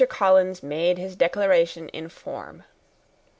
Collins made his declaration in form.